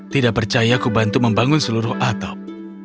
tidak percaya aku bantu membangun seluruh atap